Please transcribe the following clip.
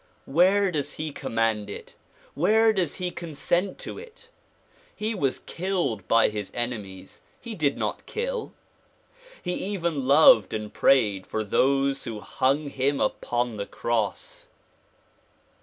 Where does he command it ? Where does he con sent to it ? He was killed by his enemies ; he did not kill. He even loved and prayed for those who hung him upon the cross.